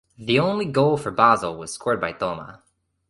The only goal for Basel was scored by Thoma.